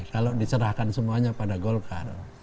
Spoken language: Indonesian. kalau diserahkan semuanya pada golkar